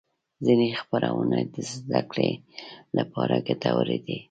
ځینې خپرونې د زدهکړې لپاره ګټورې دي.